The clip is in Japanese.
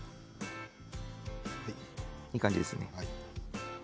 いい感じですね。